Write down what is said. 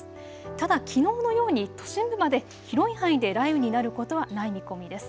ただきのうのように都心部まで広い範囲で雷雨になることはない見込みです。